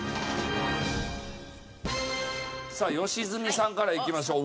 さあ良純さんからいきましょう。